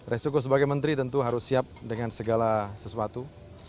resiko sebagai menteri tentu harus siap dengan segala sesuatu